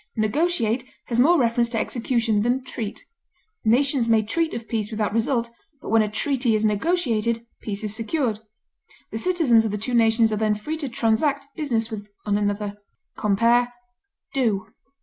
Negotiate has more reference to execution than treat; nations may treat of peace without result, but when a treaty is negotiated, peace is secured; the citizens of the two nations are then free to transact business with one another. Compare DO.